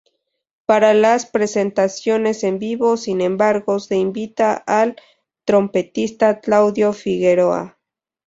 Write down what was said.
Para las presentaciones en vivo, sin embargo, se invita al trompetista Claudio Figueroa.